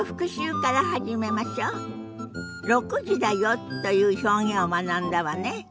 「６時だよ」という表現を学んだわね。